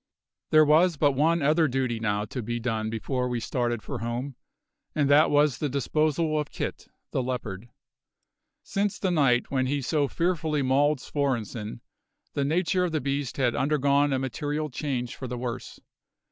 There was but one other duty now to be done before we started for home, and that was the disposal of Kit, the leopard. Since the night when he so fearfully mauled Svorenssen the nature of the beast had undergone a material change for the worse.